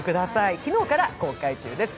昨日から公開中です。